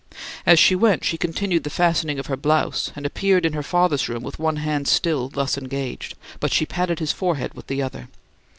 As she went, she continued the fastening of her blouse, and appeared in her father's room with one hand still thus engaged, but she patted his forehead with the other.